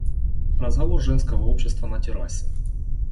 Разговор женского общества на террасе.